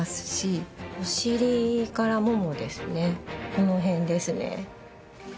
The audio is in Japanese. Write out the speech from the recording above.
この辺ですね。